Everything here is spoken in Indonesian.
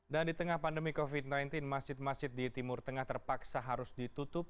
dan di tengah pandemi covid sembilan belas masjid masjid di timur tengah terpaksa harus ditutup